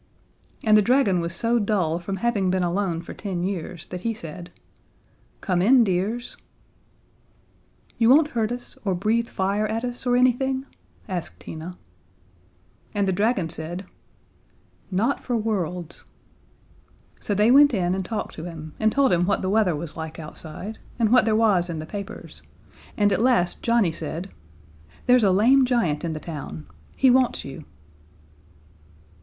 And the dragon was so dull from having been alone for ten years that he said: "Come in, dears." "You won't hurt us, or breathe fire at us or anything?" asked Tina. And the dragon said, "Not for worlds." So they went in and talked to him, and told him what the weather was like outside, and what there was in the papers, and at last Johnnie said: "There's a lame giant in the town. He wants you."